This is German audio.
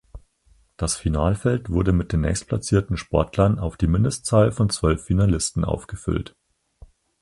Das Finalfeld wurde mit den nächstplatzierten Sportlern auf die Mindestzahl von zwölf Finalisten aufgefüllt.